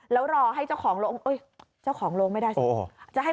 แล้วรอให้เจ้าของโรงเจ้าของโรงไม่ได้สิ